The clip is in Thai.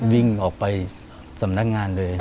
วิ่งออกไปสำนักงานเลย